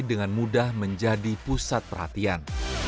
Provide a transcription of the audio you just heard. dengan mudah menjadi pusat perhatian